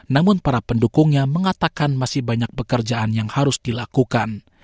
namun para pendukungnya mengatakan masih banyak pekerjaan yang harus dilakukan